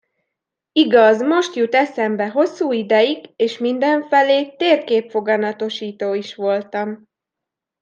Igaz, most jut eszembe, hosszú ideig és mindenfelé térképfoganatosító is voltam.